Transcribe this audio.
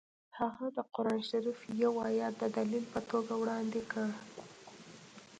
هغه د قران شریف یو ایت د دلیل په توګه وړاندې کړ